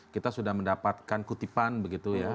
kita sudah mendapatkan kutipan begitu ya